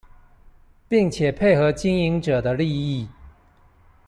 並且配合經營者的利益